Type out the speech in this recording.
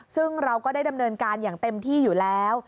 ซึ่งเราก็ได้ดำเนินการอย่างเต็มที่อยู่แล้ว